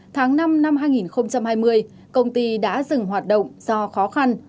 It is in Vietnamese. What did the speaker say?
tháng năm năm hai nghìn hai mươi công ty đã dừng hoạt động do khó khăn